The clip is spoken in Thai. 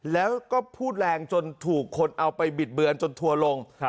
แล้วก็พูดแรงจนถูกคนเอาไปบิดเบือนจนทัวร์ลง